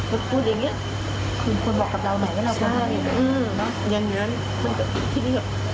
ขอบคุณครับคุณครับ